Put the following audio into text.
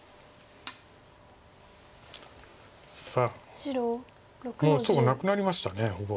さあもう打つとこなくなりましたほぼ。